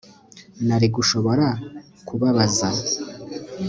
Nari gushobora kubabaza